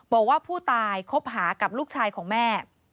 บอกว่าผู้ตายคบหากับลูกชายของแม่